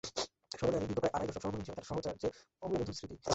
স্মরণে আনি দীর্ঘ প্রায় আড়াই দশক সহকর্মী হিসেবে তাঁর সাহচর্যের অম্লমধুর স্মৃতি।